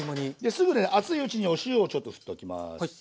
すぐね熱いうちにお塩をちょっと振っときます。